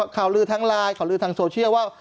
ข่าวลือทางไลน์ข่าวลือทางโซเชียลว่า